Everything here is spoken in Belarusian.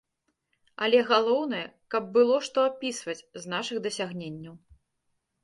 Але галоўнае, каб было што апісваць з нашых дасягненняў.